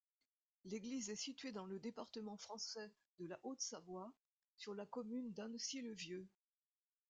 L'église est située dans le département français de la Haute-Savoie, sur la commune d'Annecy-le-Vieux.